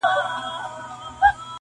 ما دفن کړه د دې کلي هدیره کي,